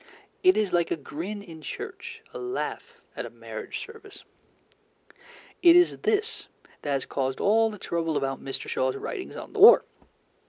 It is like a grin in church, a laugh at a marriage service. It is this that has caused all the trouble about Mr. Shaw's writings on the war.